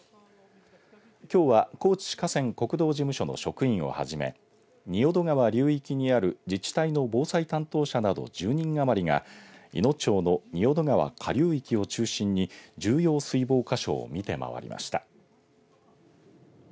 きょうは高知市河川課国道事務所の職員をはじめ仁淀川流域にある自治体の防災担当者など１０人余りがいの町の仁淀川下流域を中心に重要水防箇所を見て回りました